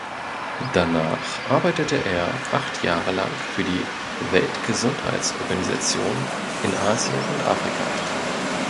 Danach arbeitete er acht Jahre lang für die Weltgesundheitsorganisation in Asien und Afrika.